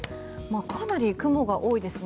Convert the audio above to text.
かなり雲が多いですね。